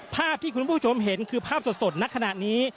ภาพที่คุณผู้ชมเห็นคือภาพสดณขณะนี้